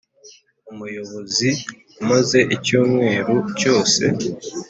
umuyobozi amaze icyumweru cyose